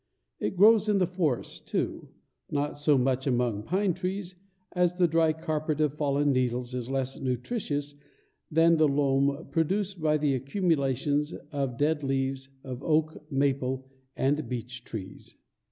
It grows in the forests too; not so much among pine trees, as the dry carpet of fallen needles is less nutritious than the loam produced by the accumulations of dead leaves of oak, maple, and beech trees.